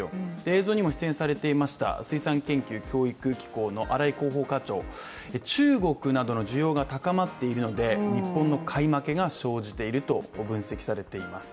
映像にも出演されていました、水産研究・教育機構の荒井広報課長中国などの需要が高まっているので日本の買い負けが生じていると分析されています。